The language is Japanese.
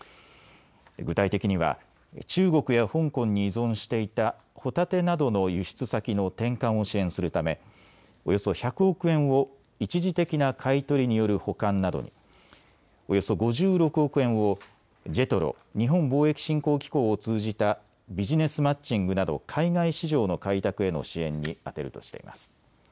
具体的には中国や香港に依存していたホタテなどの輸出先の転換を支援するためおよそ１００億円を一時的な買い取りによる保管などに、およそ５６億円をＪＥＴＲＯ・日本貿易振興機構を通じたビジネスマッチングなど海外市場の開拓への支援に充てるとしています。